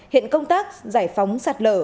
hiện công tác giải phóng sạt lở